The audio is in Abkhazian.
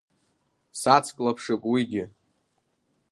Сацклаԥшып уигьы.